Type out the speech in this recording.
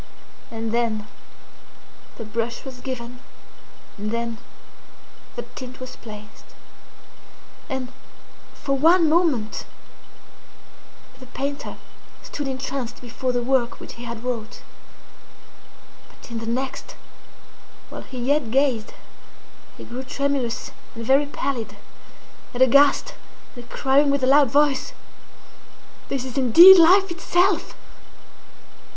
And then the brush was given, and then the tint was placed; and, for one moment, the painter stood entranced before the work which he had wrought; but in the next, while he yet gazed, he grew tremulous and very pallid, and aghast, and crying with a loud voice, 'This is indeed Life itself!